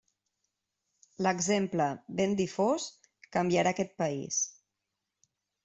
L'exemple, ben difós, canviarà aquest País.